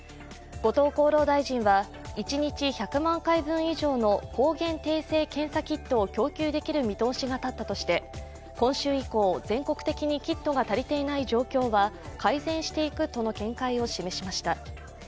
後藤厚労大臣は一日１００万回分以上の抗原定性検査キットを供給できる見通しが立ったとして、今週以降、全国的にキットが足りていない状況は改善していくとの見解を示しました。